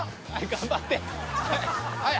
頑張って。